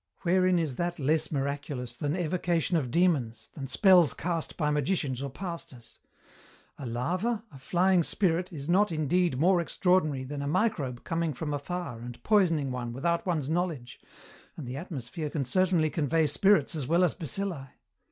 Wherein is that less miraculous than evocation of demons, than spells cast by magicians or pastors? A larva, a flying spirit, is not, indeed, more extraordinary than a microbe coming from afar and poisoning one without one's knowledge, and the atmosphere can certainly convey spirits as well as bacilli.